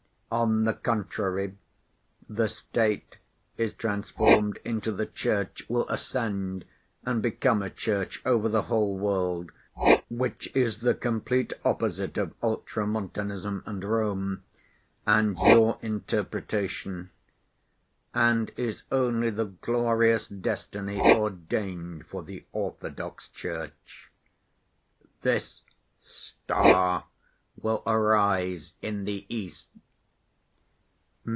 On the contrary, the State is transformed into the Church, will ascend and become a Church over the whole world—which is the complete opposite of Ultramontanism and Rome, and your interpretation, and is only the glorious destiny ordained for the Orthodox Church. This star will arise in the east!"